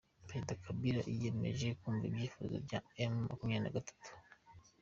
Perezida Kabila yiyemeje kumva ibyifuzo bya M makumyabiri nagatatu